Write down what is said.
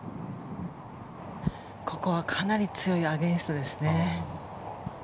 ここはかなり強いアゲンストですね。